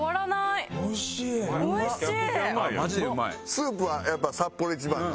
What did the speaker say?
スープはやっぱサッポロ一番の。